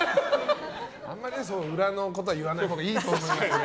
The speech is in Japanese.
あまり裏のことは言わないほうがいいと思いますが。